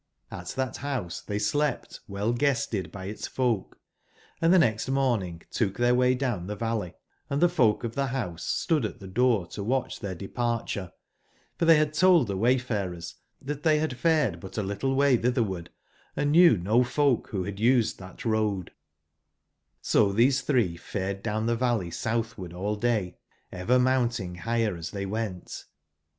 Ht tbat bouse tbey slept well/guested by its folk, and tbc next morning took tbeir way down tbe valley, & tbe folk of tbe bouse stood at tbe door to watcb tbeir departure ; for tbey bad told tbe wayfarers tbat tbey bad fared but a little way tbitberward and knew of no folk wbo bad used tbat road j^ So tbose tbree fareddowntbevalleysoutbwardallday, evermount/ ing bigber as tbey went.